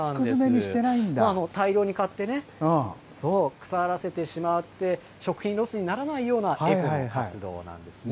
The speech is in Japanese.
大量に買ってね、腐らせてしまって、食品ロスにならないような、エコな活動なんですね。